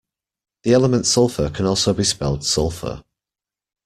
The element sulfur can also be spelled sulphur